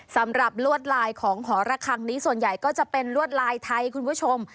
ลวดลายของหอระคังนี้ส่วนใหญ่ก็จะเป็นลวดลายไทยคุณผู้ชม